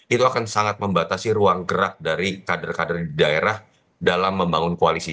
itu akan sangat membatasi ruang gerak dari kader kader di daerah dalam membangun koalisi